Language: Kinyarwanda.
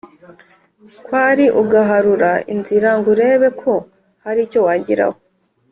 kwari ugaharura inzira ngurebe ko haricyo wageraho